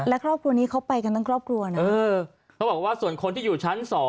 และครอบครัวนี้เขาไปกันทั้งครอบครัวนะเออเขาบอกว่าส่วนคนที่อยู่ชั้น๒